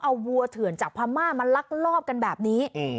เอาวัวเถื่อนจากพม่ามาลักลอบกันแบบนี้